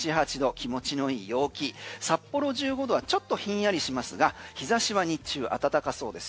気持ちの良い陽気札幌１５度はちょっとひんやりしますが日差しは日中暖かそうです。